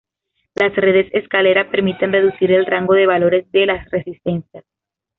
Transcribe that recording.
Las redes escalera permiten reducir el rango de valores de las resistencias.